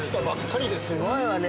◆すごいわね。